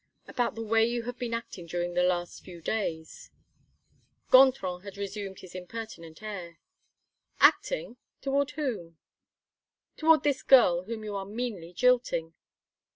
"About the way you have been acting during the last few days." Gontran had resumed his impertinent air. "Acting? Toward whom?" "Toward this girl whom you are meanly jilting."